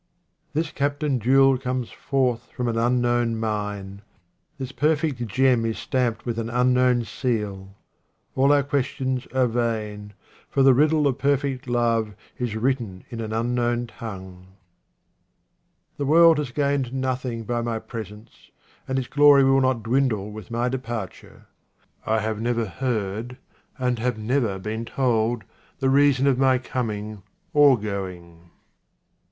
This captain jewel comes from an unknown mine. This perfect gem is stamped with an unknown seal. All our questions are vain, for the riddle of perfect love is written in an un known tongue. This world has gained nothing by my presence and its glory will not dwindle with my depar ture. I have never heard, and have never been told, the reason of my coming or going.